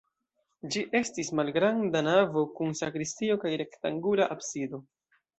Ĝi estis malgranda navo kun sakristio kaj rektangula absido.